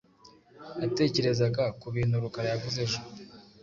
Natekerezaga kubintu Rukara yavuze ejo.